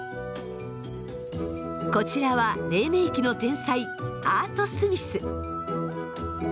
こちらは黎明期の天才アート・スミス。